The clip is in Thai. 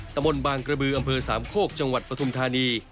ตะบนบางกระบืออำเภอสามโคกจังหวัดปฐุมธานี